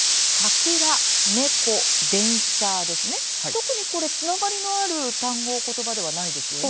特にこれつながりのある単語言葉ではないですよね。